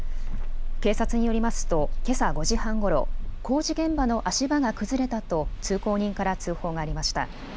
警察によりますとけさ５時半ごろ工事現場の足場が崩れたと通行人から通報がありました。